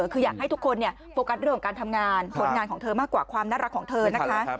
คืออยากให้ทุกคนโฟกัสเรื่องของการทำงานผลงานของเธอมากกว่าความน่ารักของเธอนะคะ